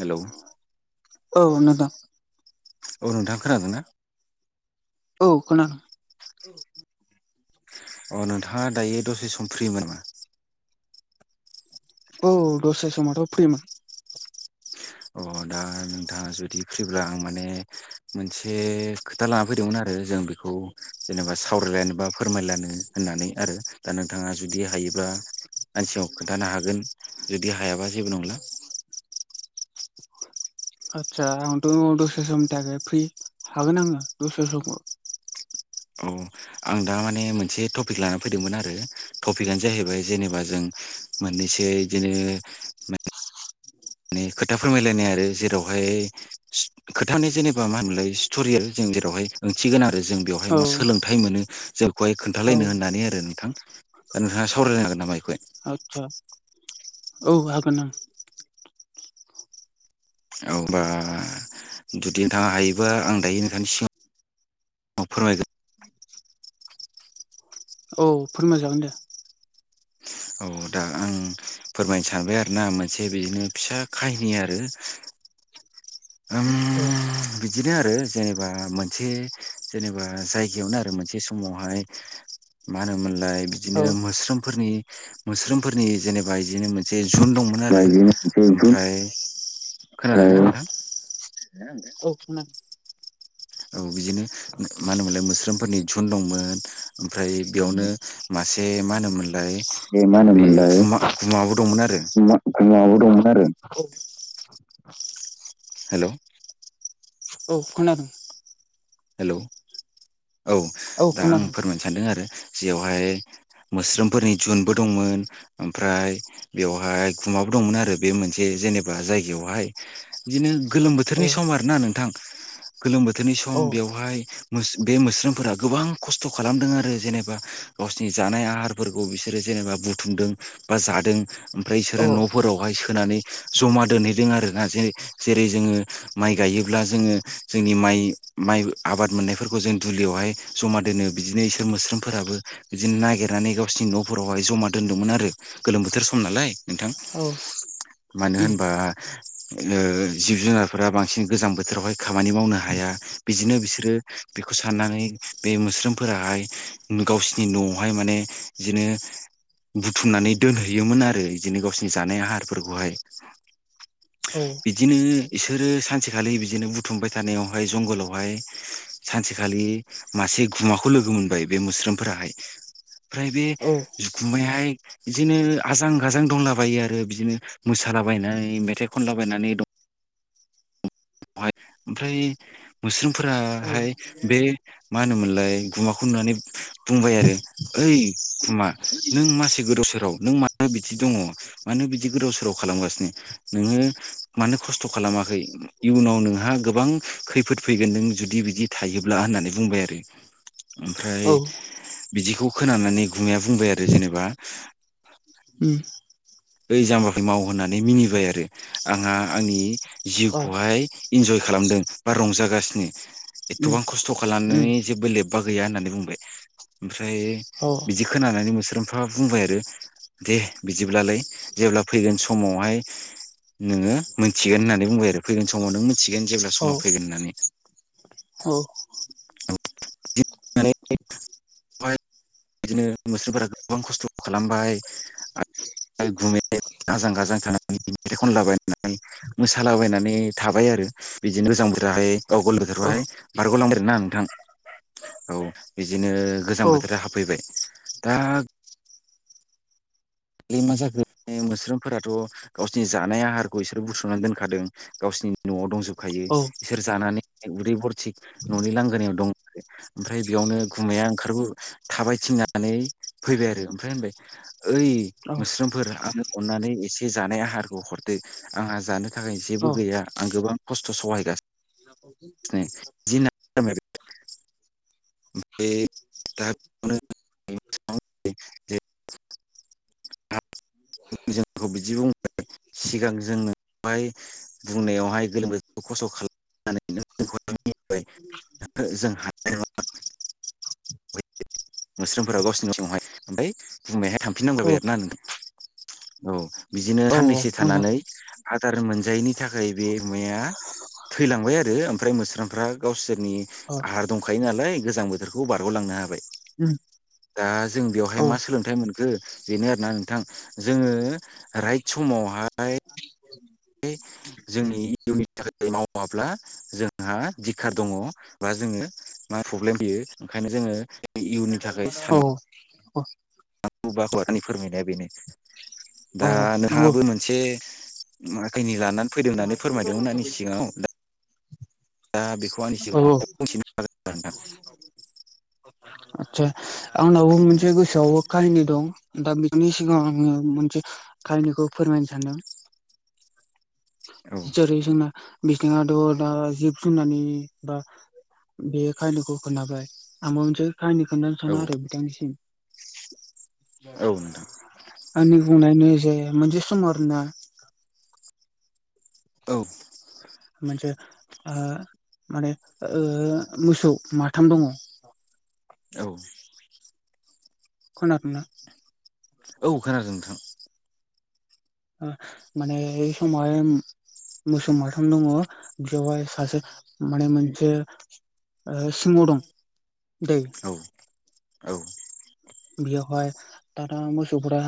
हेल' औ नोंथां खोनादों ना? औ खोनादों। अ नोंथाङा दायो दसे सम फ्रि मोन मा औ दसे समावथ' फ्रिमोन। अ दा नोंथाङा जुदि फ्रिब्ला आं माने मोनसे खोथा लाना फैदोंमोन आरो आरो जों बेखौ जेनेबा सावरायलायनो बा फोरमायलायनो होननानै आरो दा नोंथाङा जुदि हायो [unintelligible] आंनि सिगाङाव खोन्थानो हागोन जुदि हायाबा जेबो नंला आदसा आंथ' दसे समनि थाखाय फ्रि हागोन आङो दसे समखौ औ आं दा माने मोनसे टपिक लाना फैदोंमोन आरो टपिकआनो जाहैबाय जेनेबा जों मोनैसै बिदिनो माने खोथा फोरमायलायनाय आरो जेरावहाय खोथानि जेनेबा मा होनोमोनलाय स्ट'रियेल जों जों जेरावहाय ओंथिगोन आरो जों बेयावहाय मा सोलोंथाइ मोनो जोंखौहाय खोन्थालायनो होननानै आरो नोंथां दा नोंथाङा सावरायनो हागोन नामा बेखौहाय? आतसा औ हागो नों अबा जुदि नोंथाङा हायोबा आं दायो नोंथांनि सिगां अ फोरमायगोन औ फोरमायजागोन दे औ दा आं फोरमायनो सानबाय आरोना मोनसे बिदिनो फिसा खाहिनि आरो [inaudible] ओम औ बिदिनो आरो जेनेबा मोनसे जेनेबा जायगायावनो आरो मोनसे समावहाय मा होनोमोनलाय बिदिनो मस्रोमफोरनि मोस्रोफोरनि जेनेबा बिदिनो मोनसे जुन दंमोन आरो ओमफ्राय बेनि मोनसे जुन ओमफ्राय खोनादोंना नोंथां? औ खोना औ बिदिनो मा होनोमोनलाय मोस्रोमफोरनि जुन दंमोन ओमफ्राय बेयावनो मासे ए मा होनोमोनलाय बे मा होनोमोनलाय गुमा गुमाबो दंमोन आरो गुमाबो दंमोनआरो हेल' औ खोनादोंं। हेलौ औ दा आं फोरमायनो सानदों आरो जयावहाय मोस्रोमफोरनि जुनबो दंमोन ओमफ्राय बेवहाय गुमाबो दंमोन आरो बे मोनसे जेनेबा जायगायावहाय बिदिनो गोलोम बोथोरनि सम आर ना नोंथां गोलोम बोथोरनि सम बेवहाय बे मोस्रोमफोरा गोबां खस्थ' खालामदों आरो जेनेबा गावसिनि जानाय आहार बिसोर जेनेबा बुथुमदों बा जादों मफ्राय बिसोरो न'फोरावहाय सोनानै ज जमा दोनहैदों आरोोना ज जेरै जोङो माइ गायोब्ला जोङो जोंनि माइ माइ आबाद मोननायफोरखौ जों दुलियावहाय जमा दोनो बिदिनो इसोर मोस्रोमफोराबो बिदिनो नागिरनानै गावोरनि न'निावहाय जमा दोन्मोन आरो गोलोम बोथोर सम नालाय नोंथां मानो होनबा जिब जुनारफोरा बांसिन गोजां बोथोरावहाय खामानि मावनो हाया हाया बिदिनो बिसोरो बेखौ साननानै बे मोस्रोमफोराहाय गावसोरनि न'आवहाय माने बिदिनो बुथुमनानै दोनहैयोमोन आरो बिदिनो गावसिनि जानाय आहारफोरखौहाय। बिदिनो बिसोरो सानसेखालि बिदिनो बुथुमबाय थानायावहाय जंगलाव हाय सानसेखालि मासे गुमाखौ लोगो मोनबाय बे मोस्रोमफोराहाय ओमफ्राय बे जुखुमयाहाय बिदिनो आजां गाजां दंलाबायो आरो बिदिनो मो सालाबायनानै मेथाइ खनलाबायनानै दं। ओमफ्राय मोस्रोमफोराहाय बे मा होनोमोनलाय गुमाखौ नुनानै बुंबाय आरो ओइ गुमा नों मासे गोदाव सोराव नों मानो बिदि दं ङ मानो बिदि गोदाव सोराव खालामगासिनो नोङो मानो खस्थ' खालामाखै इयुनाव नोंहा गोबां खैफोद फैगोन नों जुदि बिदि थायोब्ला होननानै बुंबाय आरो। ओमफ्राय बिदिखौ खोनानानै गुमाया बुंबाय आरो जेनेबा ओम ओइ जाम्बाफोर मावो होननानै मिनिबाय आरो आंहा आंनि जिउखौहाय इन्जय खालामदों बा रंजागासिनो एथ'बां खस्थ' खालामनानै जेबो लेब्बा गैया होननानै बुंबाय। ओमफ्राय बिदि खोनानानै मोस्रोमफोरा बुंबाय आरो दे बिदिब्लालाय जेब्ला फैगोन समावहाय नोङो मोनथिगोन होननानै बुंबाय आरो फैगोन समाव नों मोनथिगोन जेब्ला समा फैगोन होननानै। औ [unintelligible] बिदिनो मोस्रोमफोरा गोबां खस्थ' खालामबाय ओमफाय गुमाया आजां गाजां थानानै मेथाइ खनलाबायनानै मोसालाबायनानै थाबाय आरो बिदिनो गोजां बोथो राहाय [unintelligible] बारग'लांबाय आरोना नोंथां। औ बिदिनो गोजां बोथोरा हाबफैबाय। दा मा जाखो मोस्रोमफोराथ' गावसिनि जानाय आहारखौ इसोर बुथुमनानै दोनखादों गावसिनि न'आव दंजोबखायो बिसोर जानानै उदै फरथिख न'नि लांगोनायाव दं ओमफ्राय बेयावनो गुमाया ओंखारबो थाबाय थिननानै फैबाय आरो ओमफ्राय होनबाय ओइ मोस्रोमफोर आंनो अननानै एसे जानाय आहारखौ हरदो आंहा जानो थाखाय जेबो गैया। आं गोबां खस्थ' सहायगासिनोसिनो [unintelligible] ब [unintelligible] जोंखौ बिदि बुंबाय सिगां जोंनो बेहाय बुंनायावहाय गोलोम बोथोरखौ खस्थ' खालामनानै मिबाय ओहो जों हानाय नङा मोस्रोमफोरा गावसिनि समावहाय ओमफ्राय बुंनायावहाय थांफिननांलायबाय आरोना ना। औ बिदिनो साननैसो थानानै आदार मोनजायैनि थाखाय बे गुमाया थैलांबाय आरो ओमफ्राय मोस्रोमफ्रा गावसोरनि आहार दंखायो नालाय गोजां बोथोरखौ बारग'लांनो हा बाय। उम दा जों बेवहाय मा सोलोंथाइ मोनखो बेनो आरोना नोंथां जोङो राइट समाव हाय जोंनि इयुननि थाखाय मावाब्ला जोंहा दिखार दङ बा जोङो मा प्रब्लेम फैयो ओंखायनो जो ङो इयुननि थाखाय सान नांगौ आंनि फोरमायनाया बेनो दा नोंहाबो मोनसे आखैनि लानानै फैदों होननानै फोरमायदोंमोन आंनि सिगाङाव दा दा बेखौ आंनि सिगाङाव बुंथिना होदो आरोनोंथां। आदसा आंनावबो मोनसे गोसोआवबो काहिनि दं दा बेफोरनि सिगाङ आङो मोनसे काहिनिखौ फोरमायनो सानदों। हागोन नोंथां औ जेरै जोंना बिदिनोथ' दा जिब जुनारनि बा बे खायनोखौ खोनाबाय आमनसो खाहानि खोन्थानो औ सानो आरो बिथांनिसिम। औ नोंथां आंनि बुंनायनि जे मोनसे समाव आरो ना? औ। मोनसे ओ माने ओ मोसौ माथाम दङ। औ। खोनादोंना? औ खोनादों नोंथां। माने बे समावहाय मोसौ माथाम दङ बेवहाय सासे माने मोनसे ओ सिङाव दं दैे। औ औ। बियावहाय दा दा मोसौफोरा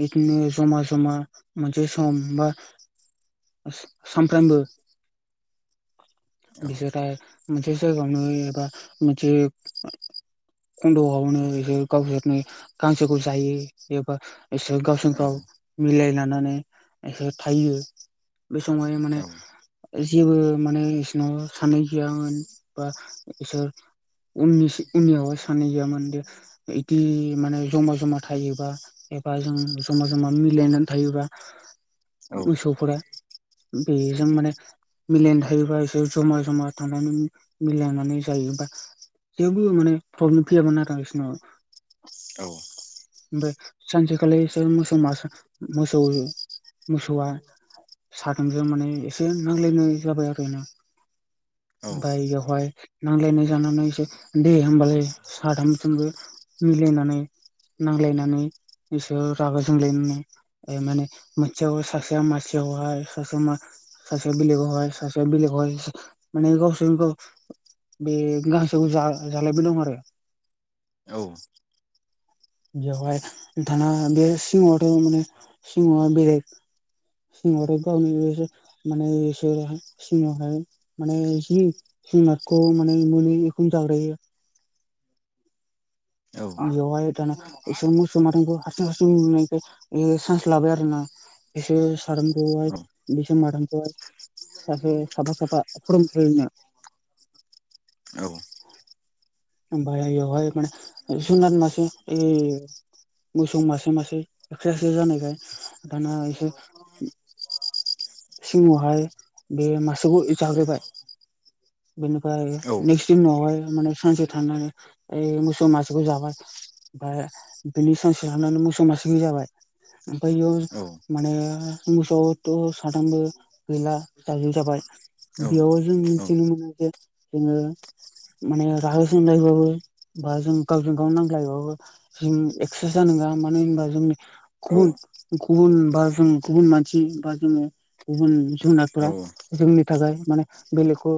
बिदिनो जमा जमा मोनसे सम हमबा सानफ्रामबो औ बिसोरा मोनसे जायगायावनो एबा मोनसे खन्द'आवनो जोब गावसोरनो गांसोखौ जायो एबा गावसोर औ गाव मिलाय लानानै एसे थायो बे समावहाय माने औ जेबो माने बिसोरनाव सान्नाय गैयामोन बा बिसोर उननि उनियावाब सानै गैयामोन दे इदि माने जमा जमा थायोबा एबा जों जमा जमा मिलायनानै थायोबा औ औ मोसौफोरा बेजों माने मिलायनानै थायोबा एसे जमा जमा थांनानै मिलायनानै जायोबा जेबो माने प्रब्लेम फैयामोन आरो बिसिनाव। औ ओमफाय सानसेखालि मोसौ मासा मोसौ मोसौआ साथामजों माने एसे नांज्लायनाय जाबाय आरोना [inaudible] ओमफ्राय बेवहाय नांजलायनाय जानानै दे होमबालाय साथामजोंबो मिलायनानै नांज्लायनानै इसोर रागा जोंलायनो माने मोनसे सासेया मसेयावहाय सासे सासेया बेलेगावहाय सासेया बेलेगावहाय माने गसोरजों गाव बे गांसो जालायबाय दं आरो। औ। बेयावहाय नोंथांआ बे सिंह माने सिंह बेरेग सिंहआथ' गावनि मान सि माने जि जुनारखौ माने मोनै एखनो जाग्रोयो। बेवहाय दाना एसे मोसौ माथोमखौ हारसिं हारसिं नुनायखाय एयो सान्स लाबाय आरो ना? बेसोर साथामखौहाय बेसोर माथामखौहाय सासे सफा साफा [unintelligible] औ बायायाव हाय माने [unintelligible] मोसौ मासे मासे एक्स्रा एक्स्रा जानायखाय दाना एसे सिंह आहाय बे मासेखौ जाग्रोबाय। [inaudible] बेनिफ्राय नेक्स्ट दिनावहाय माने सानसे थानानै ओइ मोसौ मासेखौ जाबाय। ओमफ्राय बिनि सानसे हानानै मोसौ मासे जाबाय। ओमफ्राय इयाव माने मोसौआबोथ' साथामबो गैला जाजोब जाबाय। बेयावाजों मिथिनो मोन जे जोङो माने राहो जोंलायबाबो बा जों गावजों गाव नांलायबाबो जों एक सो जानां मानो होनबा जोंनि गुबुन गुबुन बा जों गुबुन मानसि बा जोङो गुबुन जुनारफोरा जोंनि थाखाय माने बेलेगखौ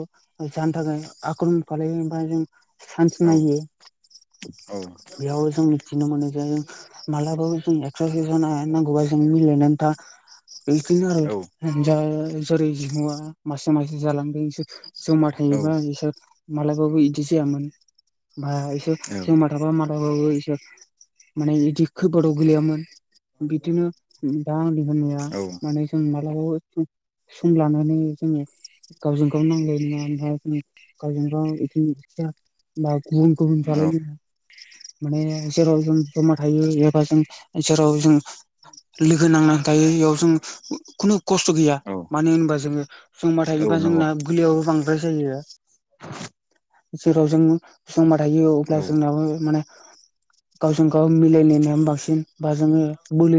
जानो थाखाय आख्रमन खालायो ओमफाय जों सान्स नायो औ बेयाव जों मिथिनो मोनो जे मालाबाबो जों एक्सारा जानो हाया नांगौबा मिलायना था [unintelligible] आरो जेरै जिमुआ मासे मासे जालांदों इसोर जमा थायोबा इसोर मालाबाबो इदि जायामोन बा इसोर जमा थाबा मालाबाबो इसोर माने बिदि खैफोदाव गोलैयामोन। बिदिनो दा आंनि होननाया माने जों मालाबाबो सम लानानै जोङो गावजों गावनो नांलाय [unintelligible] गावजोंगाव [unintelligible] होमबा गुबुन गुबुन जालायनो माने जेराव जों जमा थायो एबा जों जेराव जों लोगो नांनानै थायो इयाव जों खुनु खस्थ' गैया औ मानो होनबा जोङो जमा औ थायोबा नंगौ जोंना गुलियाबो बां [unintelligible] जेराव जों जमा थायो औ अब्ला जोंनाबो माने गावजों गाव मिलायलायनायानो बांसिन बा जोङो बोलो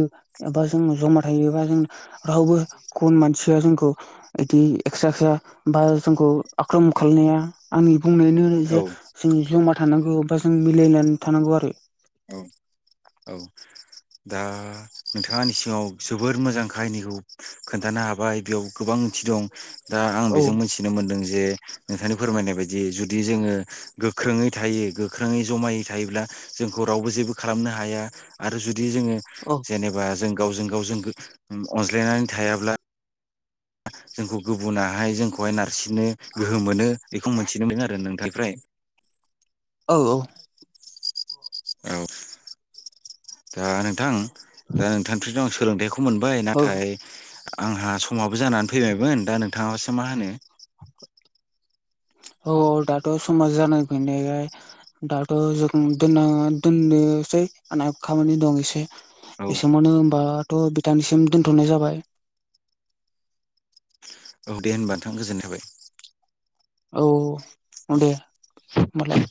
एबा जों जमा थायोबा जों रावबो गुबुन मानसिया जोंखौ बिदि एक्स्रा एक्स्रा बा जोंखौ आख्रम खालामनाय आंनि बुंनायानो औ जे जों जमा थानांगौ बा जों मिलायनानै थानांगौ आरो औ औ दा नोंथाङा आंनि सिगङाव जोबोर मोजां काहिनिखौ खोन्थानो हाबाय बेयाव गोबां थि दं दा आं बेजों मिथिनो मोनदों जे जे नोंथांनि फोरमायनाय बायदि जुदि जोङो गोख्रोङै थायो गोख्रोङै जमायै थायोब्ला जोंखौ रावबो जेबो खालामनो हाया आरो जु दि जोङो जेनेबा जों गावजों गाव जों अनज्लायनानै थायाब्ला जोंखौ गुबुनाहाय जोंखौहाय नारसिननो गोहो मोनो बेखौ मोनथिनो मोनदों आरो नोंथांनिफ्राय औ औ औ दा नोंथां दा नोंथांनिफ्रायथ' आं सोलोंथाइखौ मोनबाय नाथाय आंहा समाबो जानानै फैबायमोन दा नोंथाङासो मा होनो औ दाथ' समाजा जाना फैनायखाय दाथ' जों दोना दोननो सै आनाब खामानि दं एसे औ एसेमावनो होनोमबाथ' बिथांनिसिम दोनथ'नाय जाबाय। औ दे होनबा नोंथां गोजोननाय थाबाय औ दे होमालाय